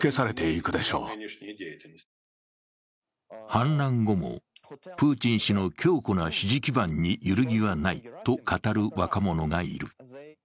反乱後もプーチン氏の強固な支持基盤に揺るぎはないと語る若者がいる。